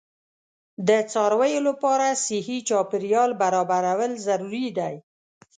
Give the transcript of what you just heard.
د څارویو لپاره صحي چاپیریال برابرول ضروري دي.